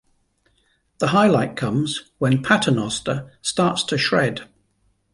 The highlight comes when Paternoster starts to shred.